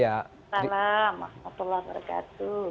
assalamualaikum wr wb